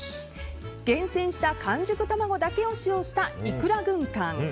厳選した完熟卵だけを使用したいくら軍艦。